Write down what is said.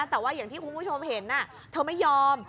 แต่ว่าอย่างที่คุณผู้ชมเห็นเธอไม่ยอม